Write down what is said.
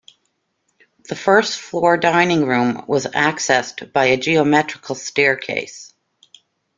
The first-floor dining-room was accessed by a geometrical staircase.